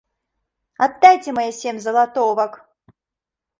Аддайце мае сем залатовак!